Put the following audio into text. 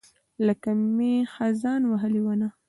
لکه مئ، خزان وهلې ونه